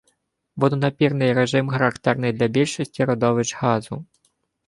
Водонапірний режим характерний для більшості родовищ газу.